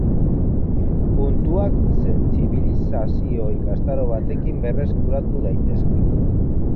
Puntuak sentsibilizazio ikastaro batekin berreskuratu daitezke.